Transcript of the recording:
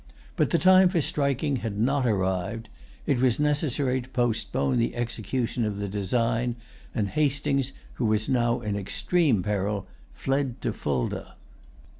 But the time for striking had not arrived. It was necessary to postpone the execution of the design; and Hastings, who was now in extreme peril, fled to Fulda.